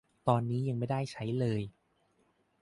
ตอนนี้ยังไม่ได้ใช้เลย !